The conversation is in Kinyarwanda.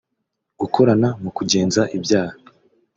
gukorana mu kugenza ibyaha